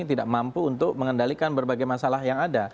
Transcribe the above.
tidak mampu untuk mengendalikan berbagai masalah yang ada